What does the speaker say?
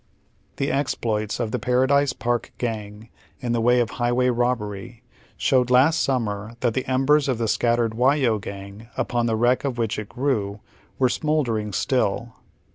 The exploits of the Paradise Park Gang in the way of highway robbery showed last summer that the embers of the scattered Whyo Gang, upon the wreck of which it . grew, were smouldering still.